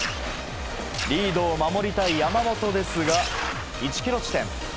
リードを守りたい山本ですが、１キロ地点。